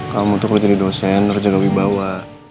kamu tuh perlu jadi dosen ngerjakan wibawa